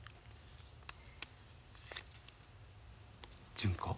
純子。